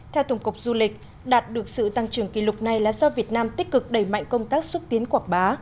theo tổng cục du lịch đạt được sự tăng trưởng kỷ lục này là do việt nam tích cực đẩy mạnh công tác xúc tiến quảng bá